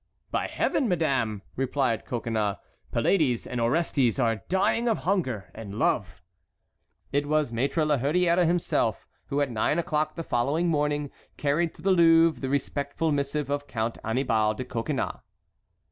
"By Heaven! madame," replied Coconnas, "Pylades and Orestes are dying of hunger and love." It was Maître la Hurière himself who, at nine o'clock the following morning, carried to the Louvre the respectful missive of Count Annibal de Coconnas.